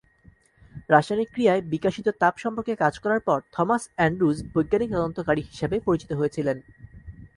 রাসায়নিক ক্রিয়ায় বিকাশিত তাপ সম্পর্কে কাজ করার পর থমাস অ্যান্ড্রুজ বৈজ্ঞানিক তদন্তকারী হিসাবে পরিচিত হয়েছিলেন।